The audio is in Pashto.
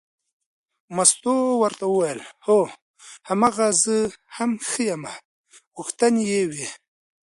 مستو ورته وویل هو هماغه زه هم ښیمه غوښتنې یې وې.